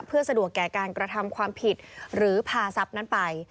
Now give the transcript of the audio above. เพื่อสะดวกแก่การกระทำความผิดหรือพาทรัพย์นั้นไป